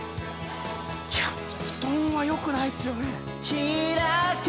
布団はよくないっすよね。